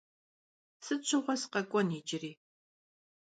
Sıt şığue sıkhek'uen yicıri?